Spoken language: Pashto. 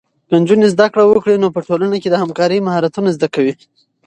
که نجونې زده کړه وکړي، نو په ټولنه کې د همکارۍ مهارتونه زده کوي.